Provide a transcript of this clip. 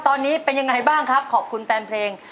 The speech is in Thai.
ตอนนี้เป็นยังไงบ้างครับขอบคุณแฟนเพลง